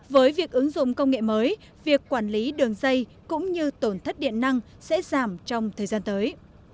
với việc ứng dụng công nghệ mới việc quản lý đường dây cũng như tổn thất điện năng sẽ giảm trong thời gian tới